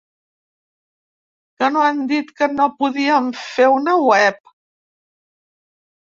Que no han dit que no podíem fer una web?